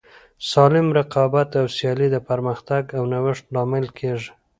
سالم رقابت او سیالي د پرمختګ او نوښت لامل کیږي.